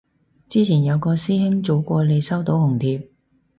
之前有個師兄早過你收到紅帖